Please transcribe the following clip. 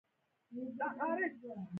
په ډېر عزت یې مومن خان راوغوښت.